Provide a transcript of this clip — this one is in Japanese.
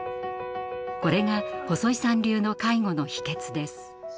これが細井さん流の介護の秘けつです。